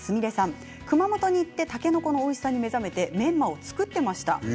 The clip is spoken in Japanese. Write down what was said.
熊本に来てたけのこのおいしさに目覚めてメンマを作っていました。